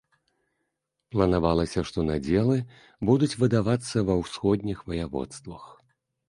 Планавалася, што надзелы будуць выдавацца ва ўсходніх ваяводствах.